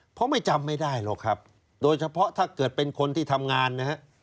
เพราะไม่จำไม่ได้หรอกครับโดยเฉพาะถ้าเกิดเป็นคนที่ทำงานนะฮะ